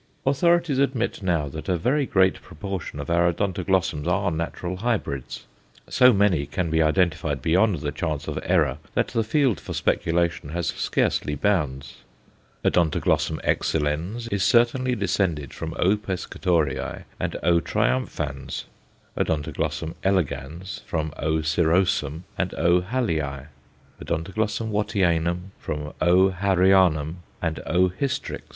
Authorities admit now that a very great proportion of our Odontoglossums are natural hybrids; so many can be identified beyond the chance of error that the field for speculation has scarcely bounds. O. excellens is certainly descended from O. Pescatorei and O. triumphans, O. elegans from O. cirrhosum and O. Hallii, O. Wattianum from O. Harryanum and O. hystrix.